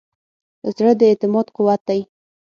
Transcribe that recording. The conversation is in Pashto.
زړه د اعتماد قوت دی.